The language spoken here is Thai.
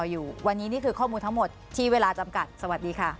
ยินดีครับ